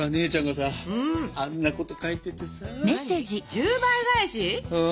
「１０倍返し！」？